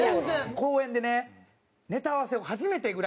公園でね、ネタ合わせを初めてぐらい。